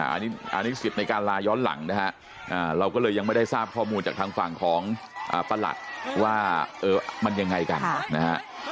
อันนี้สิทธิ์ในการลาย้อนหลังนะฮะเราก็เลยยังไม่ได้ทราบข้อมูลจากทางฝั่งของประหลัดว่ามันยังไงกันนะฮะ